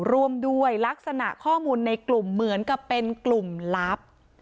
ร่วมด้วยลักษณะข้อมูลในกลุ่มเหมือนกับเป็นกลุ่มลับ